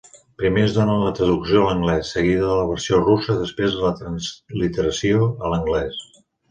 Primer es dóna la traducció a l'anglès, seguida de la versió russa, després la transliteració a l'anglès.